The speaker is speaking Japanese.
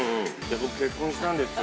◆僕、結婚したんですよ。